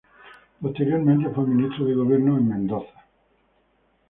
Posteriormente fue Ministro de Gobierno en Mendoza.